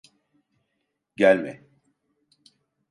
Gelme!